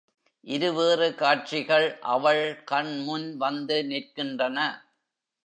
இரு வேறு காட்சிகள் அவள் கண் முன் வந்து நிற்கின்றன.